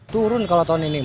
turun kalau tahun ini